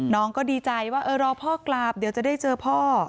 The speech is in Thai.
น้องก็ดีใจว่าเออรอพ่อกลับเดี๋ยวจะได้เจอพ่อ